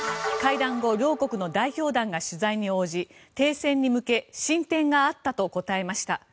会談後両国の代表団が取材に応じ停戦に向け、進展があったと答えました。